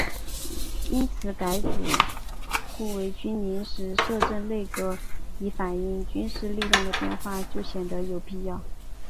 因此改组顾维钧临时摄政内阁以反映军事力量的变化就显得有必要。